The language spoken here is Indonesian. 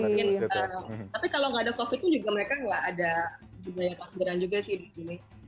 tapi kalau gak ada covid tuh juga mereka gak ada juga yang takbiran juga sih di sini